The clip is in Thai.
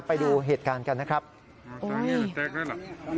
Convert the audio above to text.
ไปดูเหตุการณ์กันนะครับ